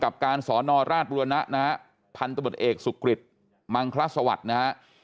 กับการสอนราชรัวร์นะนะฮะผันตำรวจเอกซุกฤตมังคลักษณ์สวรรค์นะฮะ